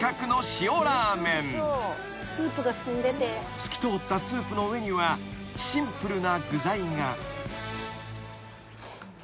［透き通ったスープの上にはシンプルな具材が］